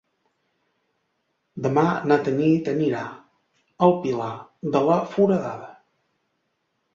Demà na Tanit anirà al Pilar de la Foradada.